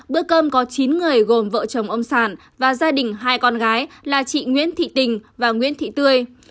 bữa cơm có chín người gồm vợ chồng ông sản và gia đình hai con gái là chị nguyễn thị tình và nguyễn thị tươi